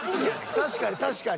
確かに確かに。